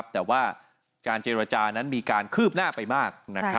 แต่ว่าการเจรจานั้นมีการคืบหน้าไปมาก